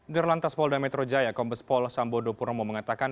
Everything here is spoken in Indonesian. dirlantas pol dan metro jaya kombes pol sambodo puromo mengatakan